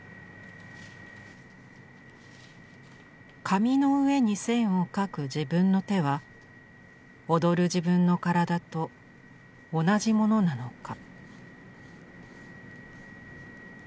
紙の上に線を描く自分の手は踊る自分の身体と同じものなのか？